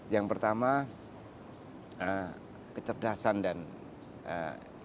yang pertama kecerdasan dan kemampuan